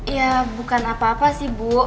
ya bukan apa apa sih bu